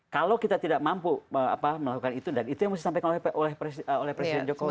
kalau kita tidak mampu melakukan itu dan itu yang harus disampaikan oleh presiden jokowi